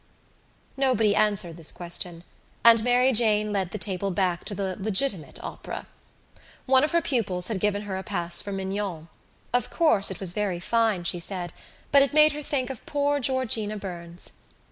Nobody answered this question and Mary Jane led the table back to the legitimate opera. One of her pupils had given her a pass for Mignon. Of course it was very fine, she said, but it made her think of poor Georgina Burns.